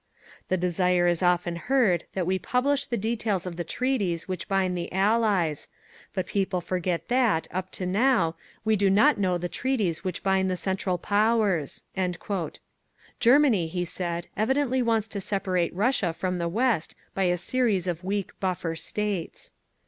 "The desire is often heard that we publish the details of the treaties which bind the Allies; but people forget that, up to now, we do not know the treaties which bind the Central Powers…." Germany, he said, evidently wants to separate Russia from the West by a series of weak buffer states.